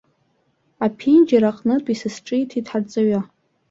Аԥенџьыр аҟнытә исызҿиҭит ҳарҵаҩы.